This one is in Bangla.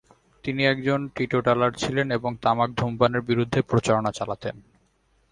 তিনি একজন টিটোটালার ছিলেন এবং তামাক ধূমপানের বিরুদ্ধে প্রচারণা চালাতেন।